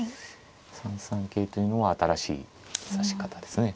３三桂というのは新しい指し方ですね。